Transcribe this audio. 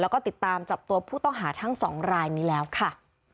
แล้วก็ติดตามจับตัวผู้ต้องหาทั้งสองรายนี้แล้วค่ะ